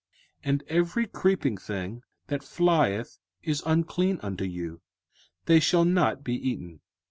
05:014:019 And every creeping thing that flieth is unclean unto you: they shall not be eaten.